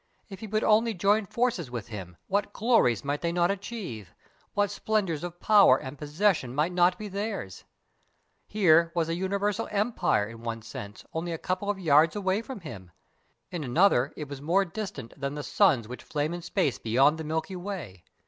If he would only join forces with him what glories might they not achieve, what splendours of power and possession might not be theirs! Here was universal empire, in one sense, only a couple of yards away from him! In another it was more distant than the suns which flame in Space beyond the Milky Way.